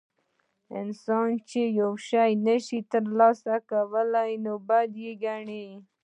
انسان چې یو شی نشي ترلاسه کولی نو بد یې ګڼي.